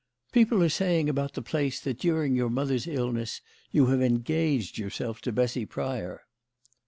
"People are saying about the place that during your mother's illness you have engaged yourself to Bessy Pryor."